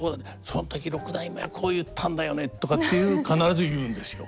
その時六代目はこう言ったんだよね」とかっていう必ず言うんですよ。